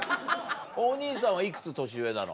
お兄さんはいくつ年上なの？